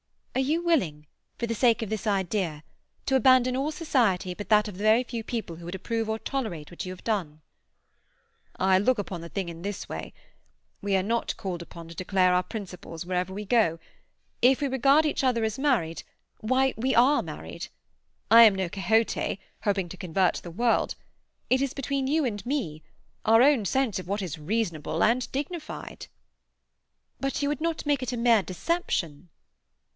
"Are you willing, for the sake of this idea, to abandon all society but that of the very few people who would approve or tolerate what you have done?" "I look upon the thing in this way. We are not called upon to declare our principles wherever we go. If we regard each other as married, why, we are married. I am no Quixote, hoping to convert the world. It is between you and me—our own sense of what is reasonable and dignified." "But you would not make it a mere deception?"